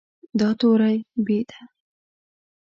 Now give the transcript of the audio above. دا توری "ب" دی.